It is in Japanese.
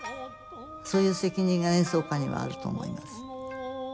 そういう責任が演奏家にはあると思います。